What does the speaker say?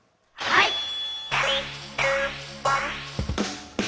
はい！